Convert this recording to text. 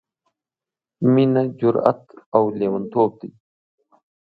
— مينه جرات او لېوانتوب دی...